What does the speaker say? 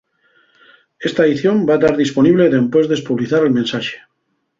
Esta aición va tar disponible dempués d'espublizar el mensaxe.